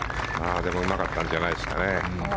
でもうまかったんじゃないですかね。